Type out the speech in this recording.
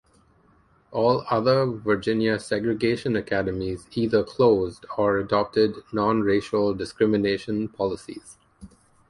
All other Virginia segregation academies either closed or adopted non-racial discrimination policies.